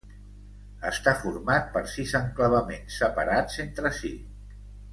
Està format per sis enclavaments separats entre si.